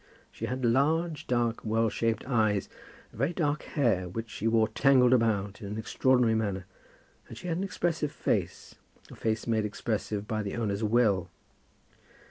She had large, dark, well shaped eyes, and very dark hair, which she wore tangled about in an extraordinary manner, and she had an expressive face, a face made expressive by the owner's will.